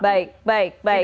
baik baik baik